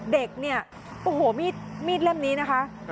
เด็กเนี่ยโอ้โหมีดเล่มนี้นะคะ